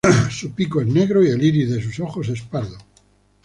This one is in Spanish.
Su pico es negro y el iris de sus ojos es pardo.